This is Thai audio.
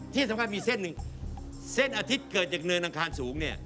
ที่สำคัญมีเส้นหนึ่งเส้นอาทิตย์เกิดจากเนินอังคารสูงเนี่ย